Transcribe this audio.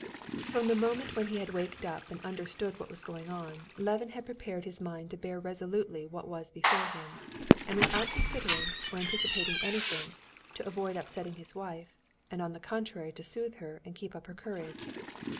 From the moment when he had waked up and understood what was going on, Levin had prepared his mind to bear resolutely what was before him, and without considering or anticipating anything, to avoid upsetting his wife, and on the contrary to soothe her and keep up her courage.